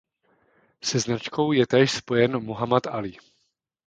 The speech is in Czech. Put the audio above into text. Se značkou je též spojen Muhammad Ali.